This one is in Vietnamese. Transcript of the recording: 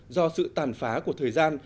do sự tàn phá của thời gian